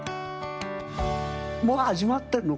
もう始まってんの？